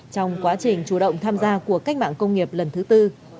trong quá trình chủ động tham gia của cách mạng công nghiệp lần thứ tư